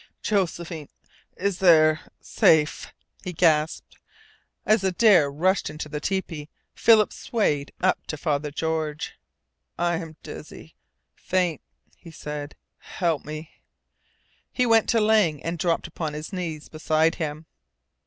"Josephine is there safe," he gasped. As Adare rushed into the tepee Philip swayed up to Father George. "I am dizzy faint," he said. "Help me " He went to Lang and dropped upon his knees beside him.